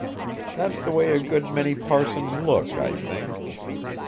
That's the way a good many parsons look, I think.